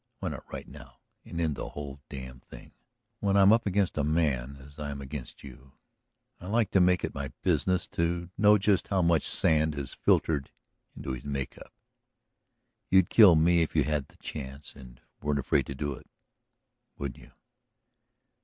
Why not right now and end the whole damned thing? When I'm up against a man as I am against you I like to make it my business to know just how much sand has filtered into his make up. You'd kill me if you had the chance and weren't afraid to do it, wouldn't you?"